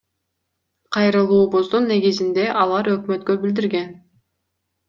Кайрылуубуздун негизинде алар Өкмөткө билдирген.